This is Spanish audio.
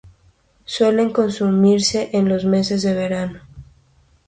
Suele consumirse en los meses de verano.